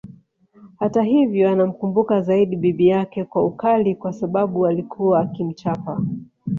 Hata hivyo anamkumbuka zaidi bibi yake kwa ukali kwa sababu alikuwa akimchapa